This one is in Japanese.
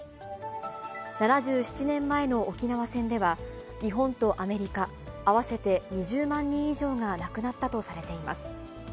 ７７年前の沖縄戦では、日本とアメリカ、合わせて２０万人以上が亡くなったとされています。